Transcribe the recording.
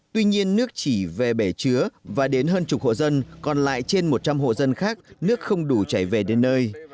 tuy nhiên nước chỉ về bể chứa và đến hơn chục hộ dân còn lại trên một trăm linh hộ dân khác nước không đủ chảy về đến nơi